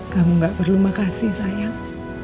kamu gak perlu makasih sayang